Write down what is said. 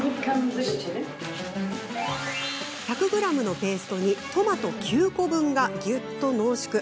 １００ｇのペーストにトマト９個分がぎゅっと濃縮。